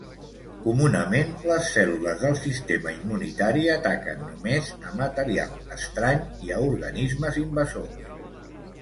Comunament, les cèl·lules del sistema immunitari ataquen només a material estrany i a organismes invasors.